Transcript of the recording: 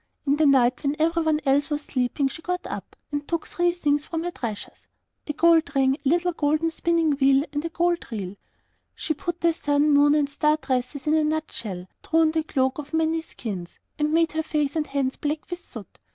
In the night, when everyone else was sleeping, she got up and took three things from her treasures, a gold ring, a little gold spinning wheel, and a gold reel; she put the sun, moon, and star dresses in a nut shell, drew on the cloak of many skins, and made her face and hands black with soot.